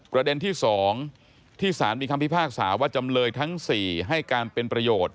ประเด็นที่๒ที่สารมีคำพิพากษาว่าจำเลยทั้ง๔ให้การเป็นประโยชน์